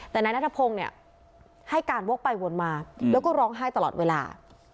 แต่นายนัทพงศ์เนี่ยให้การวกไปวนมาแล้วก็ร้องไห้ตลอดเวลา